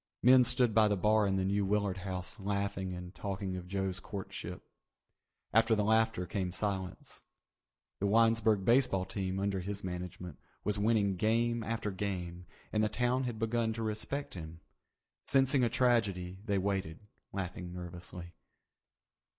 Men stood by the bar in the New Willard House laughing and talking of Joe's courtship. After the laughter came the silence. The Winesburg baseball team, under his management, was winning game after game, and the town had begun to respect him. Sensing a tragedy, they waited, laughing nervously.